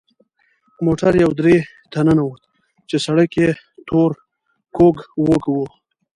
موټر یوې درې ته ننوت چې سړک یې تور کوږ وږ و.